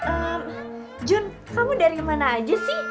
eh jun kamu dari mana aja sih